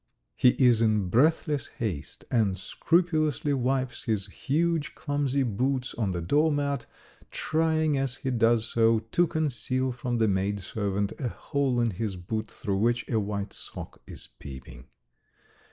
He is in breathless haste, and scrupulously wipes his huge clumsy boots on the doormat, trying as he does so to conceal from the maidservant a hole in his boot through which a white sock is peeping.